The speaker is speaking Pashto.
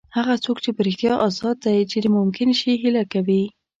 هغه څوک په رښتیا ازاد دی چې د ممکن شي هیله کوي.